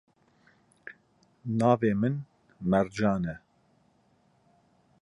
Navê min Mercan e.